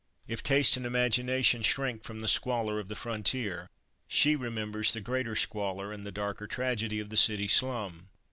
If taste and imagination shrink from the squalor of the frontier, she remembers the greater squalor and the darker tragedy of the city slum.